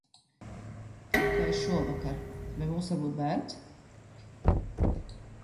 Tikai šovakar, vai mums var būt bērns?